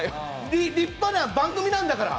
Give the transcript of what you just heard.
立派な番組なんだから！